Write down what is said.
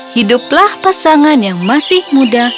hiduplah pasangan yang masih muda